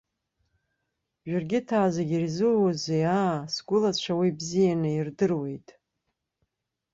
Жәыргьыҭаа зегьы ирзууазеи, аа сгәылацәа уи бзиаӡаны ирдыруеит.